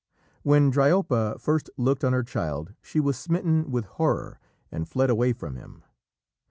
When Dryope first looked on her child, she was smitten with horror, and fled away from him.